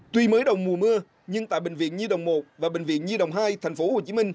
tuy mới đầu mùa mưa nhưng tại bệnh viện nhi đồng một và bệnh viện nhi đồng hai tp hcm